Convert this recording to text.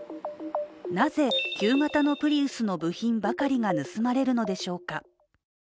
なぜ、旧型のプリウスの部品ばかりが盗まれるのでしょうか。